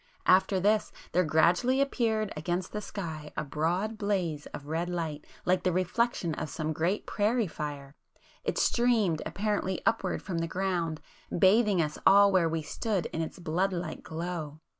After this, there gradually appeared against the sky a broad blaze of red light like the reflection of some great prairie fire,—it streamed apparently upward from the ground, bathing us all where we stood, in its blood like glow.